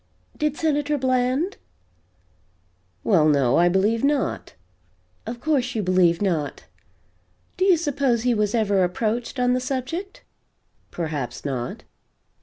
"Did Senator Blank?" "Well, no I believe not." "Of course you believe not. Do you suppose he was ever approached, on the subject?" "Perhaps not."